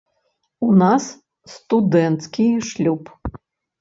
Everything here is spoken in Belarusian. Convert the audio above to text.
У нас студэнцкі шлюб.